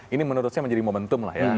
ini menurut saya menjadi momentum lah ya